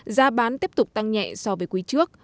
giá bán tiếp tục tăng nhẹ so với quý trước